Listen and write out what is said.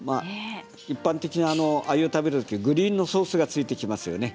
一般的に鮎を食べるときにグリーンのソースがついてきますよね。